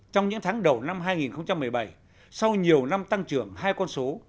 trong những tháng đầu năm hai nghìn một mươi bảy sau nhiều năm tăng trưởng hai con số